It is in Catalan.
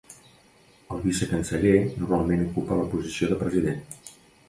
El vicecanceller normalment ocupa la posició de president.